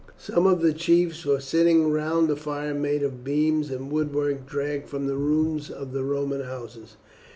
Some of the chiefs were sitting round a fire made of beams and woodwork dragged from the ruins of the Roman houses.